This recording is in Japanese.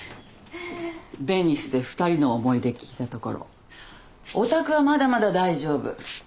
ベニスで２人の思い出聞いたところお宅はまだまだ大丈夫。